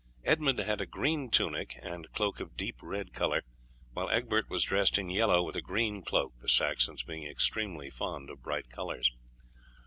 Edmund had a green tunic and cloak of deep red colour; while Egbert was dressed in yellow with a green cloak the Saxons being extremely fond of bright colours.